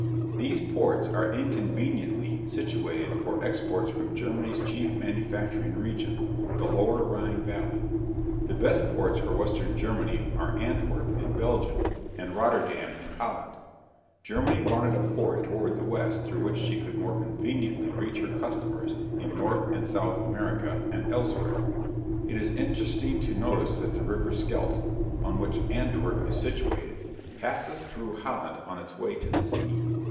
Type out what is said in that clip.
These ports are inconveniently situated for exports from Germany's chief manufacturing region, the lower Rhine valley. The best ports for western Germany are Antwerp, in Belgium, and Rotterdam, in Holland. Germany wanted a port toward the west through which she could more conveniently reach her customers in North and South America and elsewhere. It is interesting to notice that the river Scheldt (skelt), on which Antwerp is situated, passes through Holland on its way to the sea.